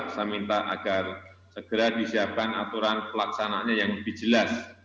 saya minta agar segera disiapkan aturan pelaksananya yang lebih jelas